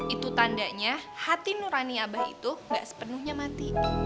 itu tandanya hati nurani abah itu gak sepenuhnya mati